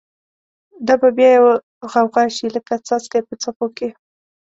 دا به بیا یوه غوغاشی، لکه څاڅکی په څپو کی